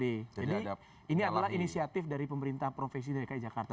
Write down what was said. jadi ini adalah inisiatif dari pemerintah profesi dki jakarta